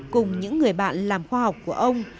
cùng những người bạn làm khoa học của ông